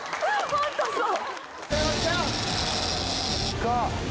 ホントそう！